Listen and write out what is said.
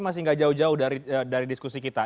masih gak jauh jauh dari diskusi kita